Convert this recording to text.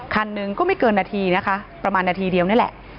คันหนึ่งก็ไม่เกินนาทีนะคะประมาณนาทีเดียวนี่แหละ